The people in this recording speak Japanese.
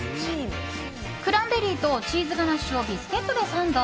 クランベリーとチーズガナッシュをビスケットでサンド。